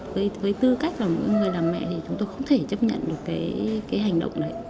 với tư cách là một người làm mẹ thì chúng tôi không thể chấp nhận được cái hành động này